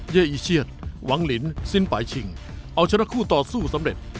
เออีเชียนวังลินสินปลายชิงเอาชนะคู่ต่อสู้สำเร็จ